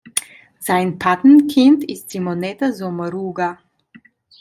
Sein Patenkind ist Simonetta Sommaruga.